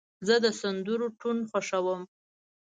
زه د سندرو ټون خوښوم.